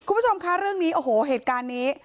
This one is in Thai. คุณผู้ชมคะเรื่องนี้โอ้โหเหตุการณ์นี้